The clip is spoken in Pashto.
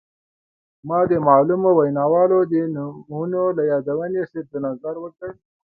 ما د معلومو ویناوالو د نومونو له یادونې صرف نظر وکړ.